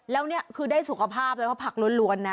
แล้วนี่คือได้สุขภาพไว้เพราะผักล้วนนะ